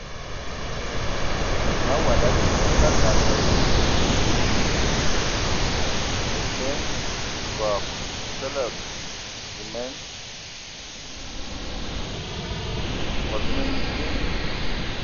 Mawad a bisye bye a kad bələna ai bikie məsen, ngɔg, nsələg simen, mbɔdɔgɔ məndie.